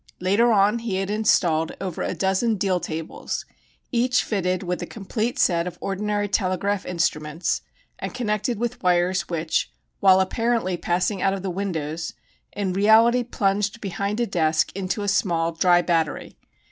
Later on he had installed over a dozen deal tables, each fitted with a complete set of ordinary telegraph instruments and connected with wires which, while apparently passing out of the windows, in reality plunged behind a desk into a small "dry" battery.